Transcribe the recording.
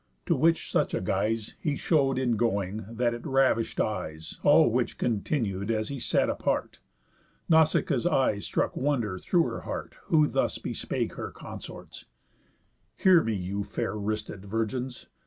To which such a guise He show'd in going, that it ravish'd eyes. All which continued, as he sat apart, Nausicaa's eye struck wonder through her heart, Who thus bespake her consorts: "Hear me, you Fair wristed virgins!